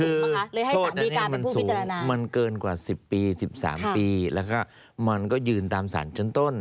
คือโทษนี้มันสูงมันเกินกว่า๑๐ปี๑๓ปีแล้วก็มันก็ยืนตามสารชั้นต้น